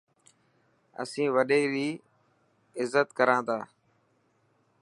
اسين وڏي ري غلط ڪرنا تا.